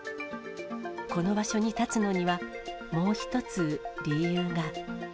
この場所に立つのには、もう一つ理由が。